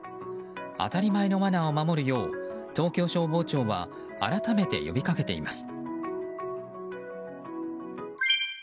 当たり前のマナーを守るよう東京消防庁は改めて呼びかけています。